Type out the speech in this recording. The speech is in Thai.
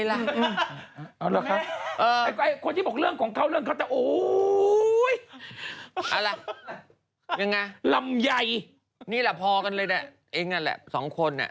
ยังไงนี่แหละพอกันเลยแหละเองนั่นแหละ๒คน